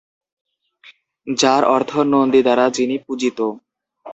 যার অর্থ নন্দী দ্বারা যিনি পূজিত।